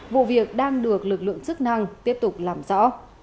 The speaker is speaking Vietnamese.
vụ việc đang được lực lượng chức năng tiếp tục làm rõ